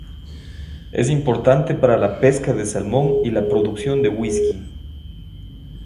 Es importante para la pesca de salmón y la producción de whisky.